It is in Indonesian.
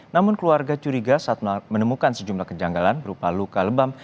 namun keluarga curiga saat menemukan sejumlah kejanggalan berupa luka lebam